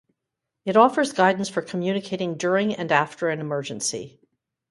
It offers guidance for communicating during and after an emergency.